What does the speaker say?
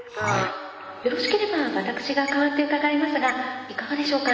よろしければ私が代わって伺いますがいかがでしょうか？